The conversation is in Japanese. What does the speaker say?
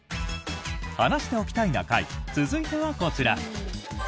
「話しておきたいな会」続いては、こちら。